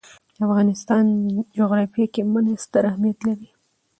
د افغانستان جغرافیه کې منی ستر اهمیت لري.